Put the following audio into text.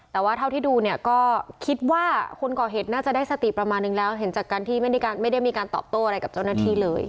แต่ว่าเท่าที่ดูเนี่ยก็คิดว่าคนก่อเหตุน่าจะได้สติประมาณนึงแล้วเห็นจากการที่ไม่ได้มีการตอบโต้อะไรกับเจ้าหน้าที่เลย